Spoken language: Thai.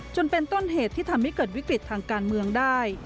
จนเป็นต้นเหตุที่ทำให้เกิดวิกฤตทางการเมืองได้